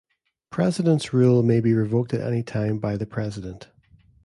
President's rule can be revoked anytime by the President.